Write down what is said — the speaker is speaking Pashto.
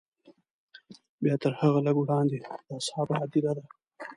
بیا تر هغه لږ وړاندې د اصحابو هدیره ده.